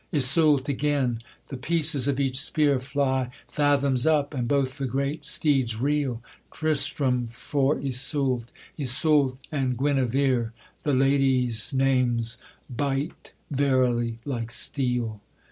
Iseult! again: the pieces of each spear Fly fathoms up, and both the great steeds reel; Tristram for Iseult! Iseult! and Guenevere! The ladies' names bite verily like steel.